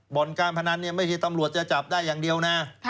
บ่อนการพนันเนี่ยไม่ใช่ตำรวจจะจับได้อย่างเดียวนะ